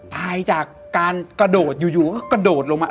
ตายจากการกระโดดอยู่ก็กระโดดลงมา